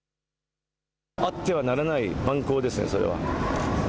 あってはならない蛮行ですね、それは。